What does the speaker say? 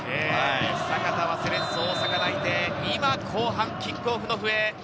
阪田はセレッソ大阪内定、今、後半キックオフの笛。